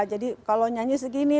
jadi kalau nyanyi segini